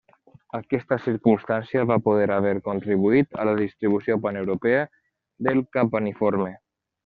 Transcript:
Aquesta circumstància va poder haver contribuït a la distribució paneuropea del campaniforme.